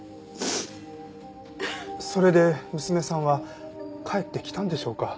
それで娘さんは帰ってきたんでしょうか？